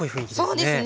そうですね。